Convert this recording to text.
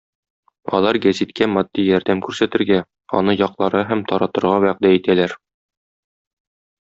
Алар гәзиткә матди ярдәм күрсәтергә, аны якларга һәм таратырга вәгъдә итәләр.